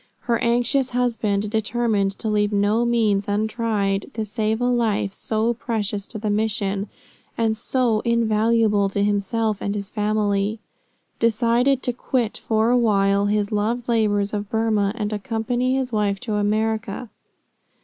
Her anxious husband, determined to leave no means untried, to save a life so precious to the mission and so invaluable to himself and his family, decided to quit for a while his loved labors in Burmah and accompany his wife to America.